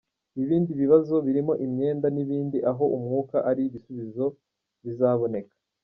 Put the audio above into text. Ibindi bibazo birimo imyenda n’ibindi aho umwuka ari ibisubizo bizaboneka.